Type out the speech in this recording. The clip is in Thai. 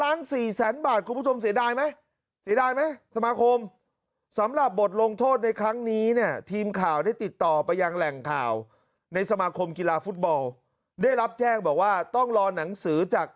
ได้มั้ยหรอสมหาคมสำหรับบทลงโทษในครั้งนี้เนี่ยทีมข่าวได้ติดต่อไปยางแหล่งข่าวในสมหาคมกีฬาฟุตบอลได้รับแจ้งบอกว่าต้องรอนังสือจาก